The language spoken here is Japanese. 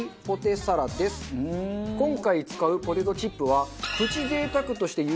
今回使うポテトチップは。